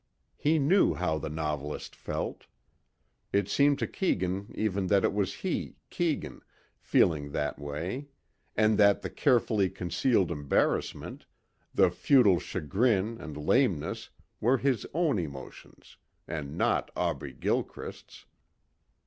He knew how the novelist felt. It seemed to Keegan even that it was he, Keegan, feeling that way, and that the carefully concealed embarassment, the futile chagrin and lameness were his own emotions and not Aubrey Gilchrist's.